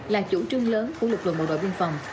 là chủ trương lớn của lực lượng bộ đội biên phòng